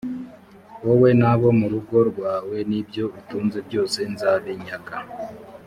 wowe n abo mu rugo rwawe n ibyo utunze byose nzabinyaga